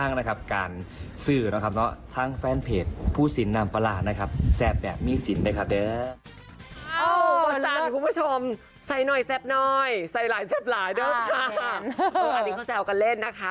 อันนี้เขาแซวกันเล่นนะคะ